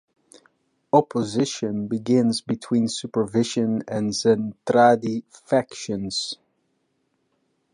Opposition begins between Supervision and Zentradi factions.